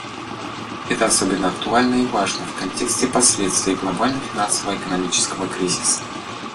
Это особенно актуально и важно в контексте последствий глобального финансово-экономического кризиса.